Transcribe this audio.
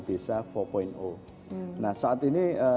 desa empat nah saat ini